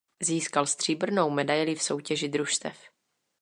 Získal stříbrnou medaili v soutěži družstev.